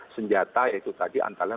senjata yaitu tadi antara lain